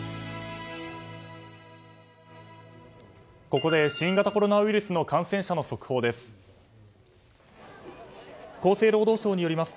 ここで新型コロナウイルスの感染者の速報です。